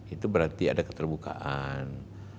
itu berarti ada keterbukaan